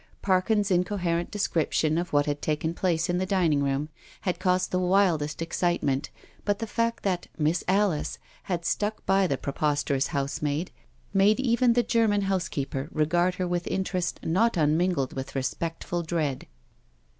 Parkins* in coherent description of what had taken place in the dining room had caused the wildest excitement, but the fact that " Miss Alice had stuck by the preposterous housemaid made even the German housekeeper regard her with interest not unmingled with respectful dread.